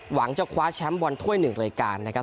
หวังจะคว้าแชมป์บนถ้วยหนึ่งในการนะครับ